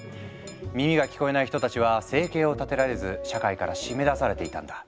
耳が聞こえない人たちは生計を立てられず社会から締め出されていたんだ。